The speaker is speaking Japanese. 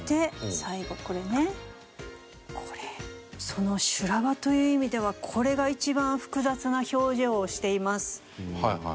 その修羅場という意味ではこれが一番複雑な表情をしています。